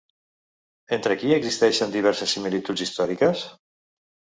Entre qui existeixen diverses similituds històriques?